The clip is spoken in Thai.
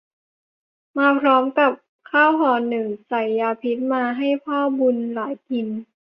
มาพร้อมกับข้าวห่อหนึ่งใส่ยาพิษมาให้พ่อบุญหลายกิน